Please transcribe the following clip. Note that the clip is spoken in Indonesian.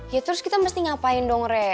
ya terus kita mesti ngapain dong rek